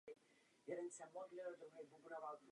Doprava na evropských letištích nepochází pouze z Evropy.